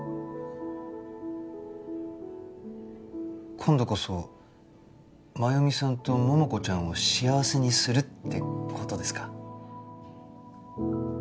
今度こそ真由美さんとももこちゃんを幸せにするって事ですか？